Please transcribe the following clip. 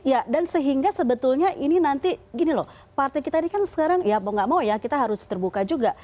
ya dan sehingga sebetulnya ini nanti gini loh partai kita ini kan sekarang ya mau gak mau ya kita harus terbuka juga